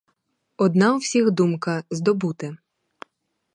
Одна у всіх думка: здобути.